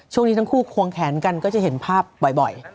ช่วงนี้ทั้งคู่ควงแขนกันก็จะเห็นภาพบ่อย